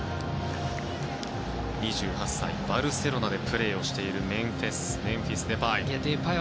２８歳、バルセロナでプレーしているメンフィス・デパイ。